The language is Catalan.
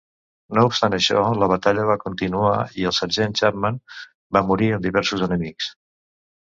No obstant això, la batalla va continuar i el sergent Chapman va morir amb diversos enemics.